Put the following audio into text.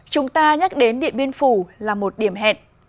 chúng ta nhắc đến điện biên phủ là một điểm hẹn